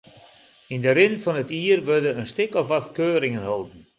Yn de rin fan it jier wurde in stik of wat keuringen holden.